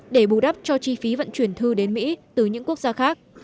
để bù đắp cho chi phí vận chuyển thư đến mỹ từ những quốc gia khác